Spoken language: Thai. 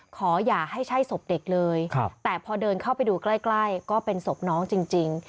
อย่าให้ใช่ศพเด็กเลยแต่พอเดินเข้าไปดูใกล้ก็เป็นศพน้องจริง